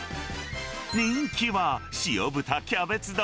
人気は、塩豚キャベツ丼。